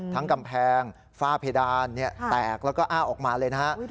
กำแพงฝ้าเพดานแตกแล้วก็อ้าออกมาเลยนะฮะ